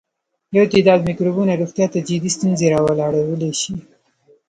یو تعداد مکروبونه روغتیا ته جدي ستونزې راولاړولای شي.